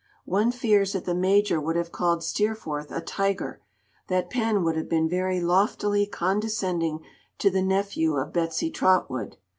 One fears that the Major would have called Steerforth a tiger, that Pen would have been very loftily condescending to the nephew of Betsy Trotwood.